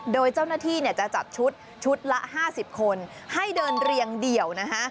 โดยเจ้าหน้าที่จะจัดชุดชุดละ๕๐คนให้เดินเรียงเดี่ยวนะคะ